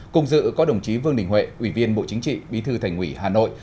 cùng dự có đồng chí vương đình huệ ủy viên bộ chính trị bí thư thành ủy hà nội